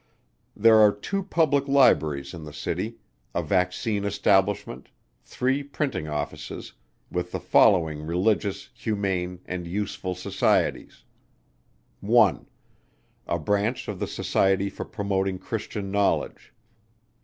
There are two Public Libraries in the City, a Vaccine Establishment, three Printing Offices, with the following religious, humane, and useful Societies: 1. A Branch of the Society for Promoting Christian Knowledge.